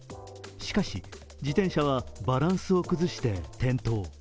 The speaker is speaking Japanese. しかし、自転車はバランスを崩して転倒。